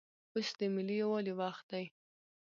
اوس دملي یووالي وخت دی